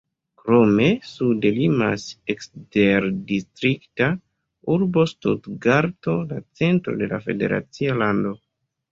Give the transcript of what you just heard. Krome sude limas eksterdistrikta urbo Stutgarto, la centro de la federacia lando.